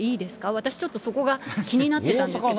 私ちょっと、そこが気になってたんですけど。